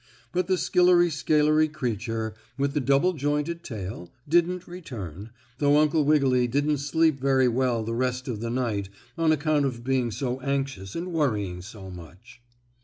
But the skillery scalery creature, with the double jointed tail, didn't return, though Uncle Wiggily didn't sleep very good the rest of the night on account of being so anxious and worrying so much.